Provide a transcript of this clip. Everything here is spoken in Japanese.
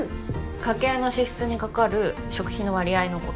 家計の支出にかかる食費の割合のこと。